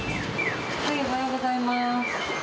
おはようございます。